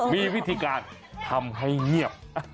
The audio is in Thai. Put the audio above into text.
มีวิธีการทำให้เงียบ